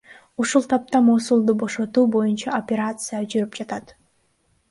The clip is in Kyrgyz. Ушул тапта Мосулду бошотуу боюнча операция жүрүп жатат.